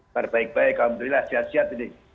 baik baik allahumma terrillah sehat sehat